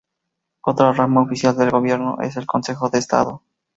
Otra rama oficial del gobierno es el Consejo de Estado.